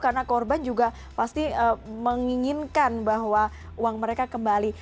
karena korban juga pasti menginginkan bahwa uang mereka kembali